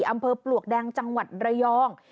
อำเภอปลวกแดงจังหวัดระยอง